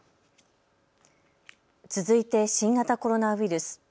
続いて新型コロナウイルス。